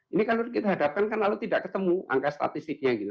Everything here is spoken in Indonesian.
ini kalau kita hadapkan kan lalu tidak ketemu angka statistiknya gitu